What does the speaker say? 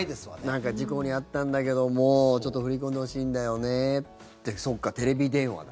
なんか事故に遭ったんだけどもちょっと振り込んでほしいんだよねってそうか、テレビ電話だ。